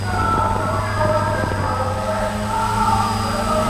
ما خوب ليدلی دی چي زما له وطن جنگ ټولېږي-